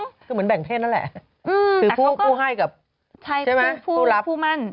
คือเหมือนแบ่งเพศนั่นแหละคือผู้ให้กับใช่ไหมผู้หลาผู้มั่น